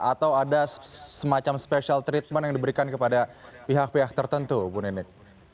atau ada semacam special treatment yang diberikan kepada pihak pihak tertentu bu nenek